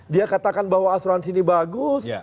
dia katakan bahwa asuransi ini bagus